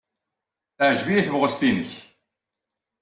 Teɛjeb-iyi tebɣest-nnek.